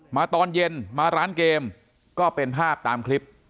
ตอนเย็นมาร้านเกมก็เป็นภาพตามคลิป